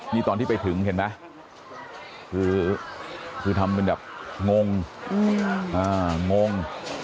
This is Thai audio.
นี่ตอนที่ไปถึงเห็นไหมคือทำเป็นแบบงงงง